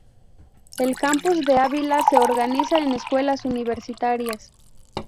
El Campus de Ávila se organiza en escuelas universitarias.